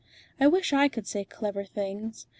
I wish I could say clever things.